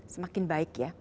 semakin baik ya